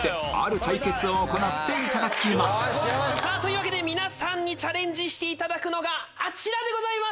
そこで皆さんにチャレンジしていただくのがあちらでございます！